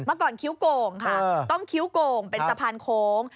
เมื่อก่อนคิ้วกงค่ะต้องคิ้วกงเป็นสะพานโค้ง